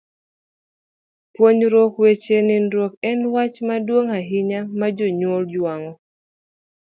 Puonjruok weche nindruok en wach maduong' ahinya ma jonyuol jwang'o.